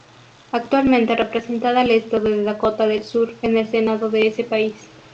Actualmente representada al estado de Dakota del Sur en el Senado de ese país.